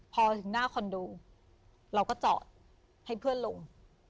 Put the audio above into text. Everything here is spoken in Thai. พอถึงหน้าคอนโดเราก็จอดให้เพื่อนลง